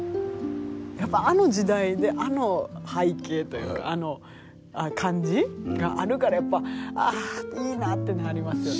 やっぱあの時代であの背景というかあの感じがあるからやっぱあいいなあってなりますよね。